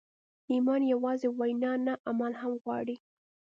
ایمان یوازې وینا نه، عمل هم غواړي.